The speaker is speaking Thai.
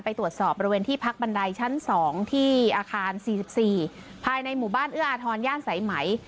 ตรวจสอบบริเวณที่พักบันไดชั้น๒ที่อาคาร๔๔ภายในหมู่บ้านเอื้ออาทรย่านสายไหม